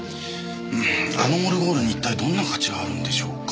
あのオルゴールに一体どんな価値があるんでしょうか？